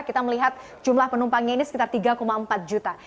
kita melihat jumlah penumpangnya ini sekitar tiga empat juta